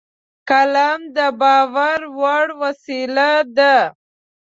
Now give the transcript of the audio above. قلم د باور وړ وسیله ده